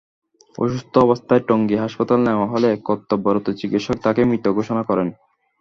অসুস্থ অবস্থায় টঙ্গী হাসপাতালে নেওয়া হলে কর্তব্যরত চিকিৎসক তাঁকে মৃত ঘোষণা করেন।